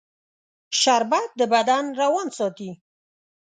شربت د بدن روان ساتي